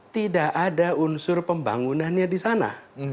tidak ada unsur pembangunannya di sana